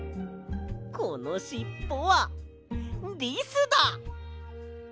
このしっぽはリスだ！